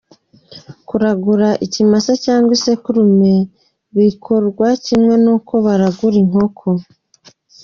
Kuragura ikimasa cyangwa isekurume bikorwa kimwe n’uko baragura inkoko.